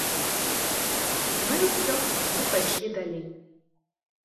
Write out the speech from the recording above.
Ну і ўсё, мы пайшлі далей.